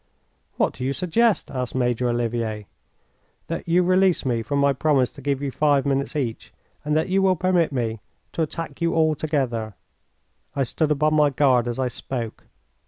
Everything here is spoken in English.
"What do you suggest?" asked Major Olivier. "That you release me from my promise to give you five minutes each, and that you will permit me to attack you all together." I stood upon my guard as I spoke.